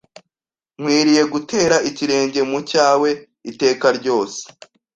nkwiriye gutera ikirenge mu cy awe itekaryose